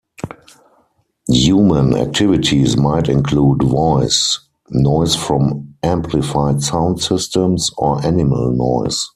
Human activities might include voice, noise from amplified sound systems, or animal noise.